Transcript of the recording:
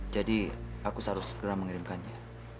jadi aku seharusnya segera mengirimkannya